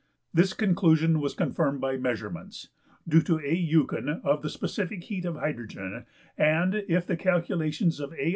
This conclusion was confirmed by measurements, due to A.~Eucken, of the specific heat of hydrogen(27); and if the calculations of A.